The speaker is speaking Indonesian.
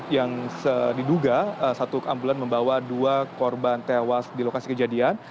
yang diduga satu ambulan membawa dua korban tewas di lokasi kejadian